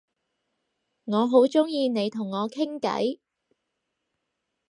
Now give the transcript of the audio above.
我好鍾意你同我傾偈